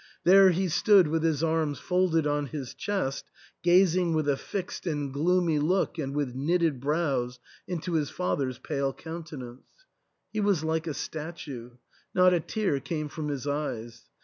There he stood with his arms folded on his chest, gazing with a fixed and gloomy look and with knitted brows, into his father's pale countenance. He was like a statue ; not a tear came from his eyes.